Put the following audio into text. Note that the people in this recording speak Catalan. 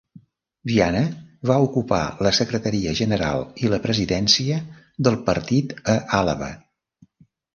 Viana va ocupar la secretaria general i la presidència del partit a Àlaba.